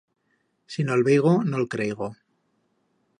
Si no'l veigo, no'l creigo.